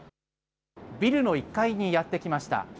ビルの１階にやって来ました。